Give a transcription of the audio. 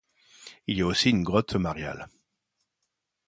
Il y a aussi une grotte mariale.